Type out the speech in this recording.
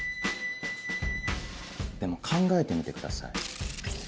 でも考えてみてください。